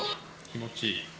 気持ちいい。